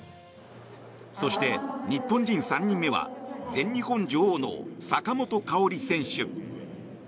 そして、日本人３人目は全日本女王の坂本花織選手。